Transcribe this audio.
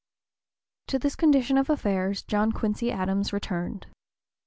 To this condition of affairs John Quincy Adams returned.